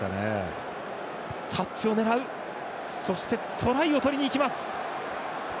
トライを取りにいきます。